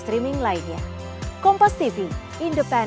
itu saya sudah langsung tanggapi secara personal kemarin